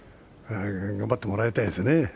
頑張ってもらいたいですね。